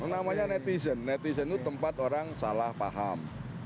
namanya netizen netizen itu tempat orang salah paham